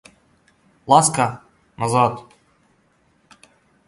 Ласка, назад!